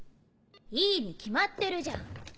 いいに決まってるじゃん。